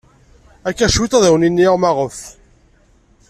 Akka cwiṭ ad awen-iniɣ maɣef.